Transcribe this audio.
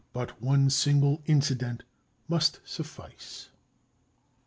But, one single incident must suffice.